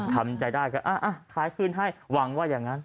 ทำใจได้ก็ขายคืนให้หวังว่าอย่างนั้น